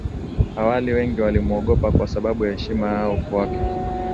Awali wengi walimwogopa kwa sababu ya heshima yao kwake